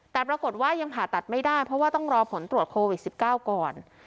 แต่ปรากฏว่ายังผ่าตัดไม่ได้เพราะว่าต้องรอผลตรวจโควิด๑๙ก่อน